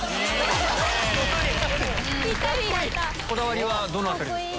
こだわりはどの辺りですか？